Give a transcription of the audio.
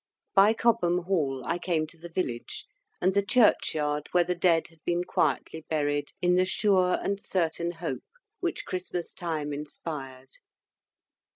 By Cobham Hall, I came to the village, and the churchyard where the dead had been quietly buried, "in the sure and certain hope" which Christmas time inspired.